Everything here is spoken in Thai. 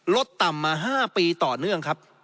ลดต่ำมา๕ปีต่อเนื่องครับ